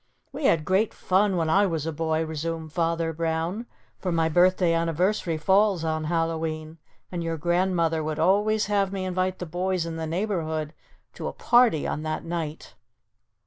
"We had great fun when I was a boy," resumed Father Brown, "for my birthday anniversary falls on Hallowe'en and your grandmother would always have me invite the boys in the neighborhood to a party on that night."